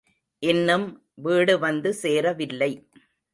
இன்னும் வீடு வந்து சேரவில்லை.